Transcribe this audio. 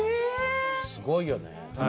すごいよね。